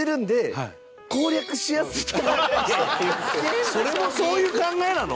山崎：それもそういう考えなの？